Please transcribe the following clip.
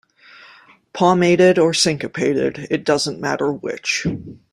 Palmated or syncopated, it doesn't matter which.